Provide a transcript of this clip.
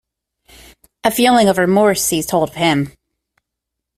A feeling of remorse seized hold of him.